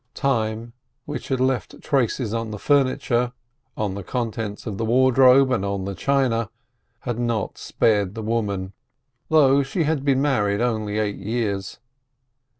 Time, which had left traces on the furniture, on the contents of the wardrobe, and on the china, had not spared the woman, though she had been married only eight years.